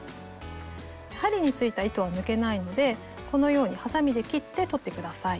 針についた糸は抜けないのでこのようにはさみで切って取って下さい。